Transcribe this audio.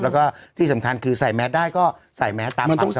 แล้วก็ที่สำคัญคือใส่แมสได้ก็ใส่แมสตามความสะ